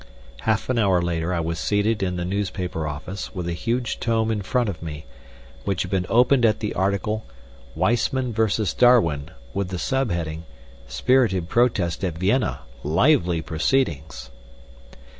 Half an hour later I was seated in the newspaper office with a huge tome in front of me, which had been opened at the article "Weissmann versus Darwin," with the sub heading, "Spirited Protest at Vienna. Lively Proceedings."